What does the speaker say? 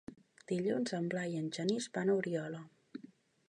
Dilluns en Blai i en Genís van a Oriola.